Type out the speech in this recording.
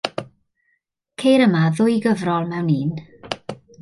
Ceir yma ddwy gyfrol mewn un.